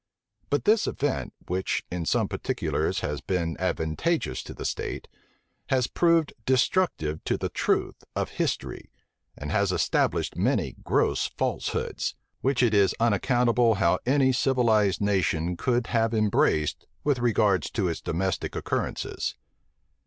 But this event, which in some particulars has been advantageous to the state, has proved destructive to the truth of history, and has established many gross falsehoods, which it is unaccountable how any civilized nation could have embraced with regard to its domestic occurrences.